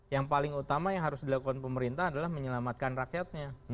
yang paling utama yang harus dilakukan pemerintah adalah menyelamatkan rakyatnya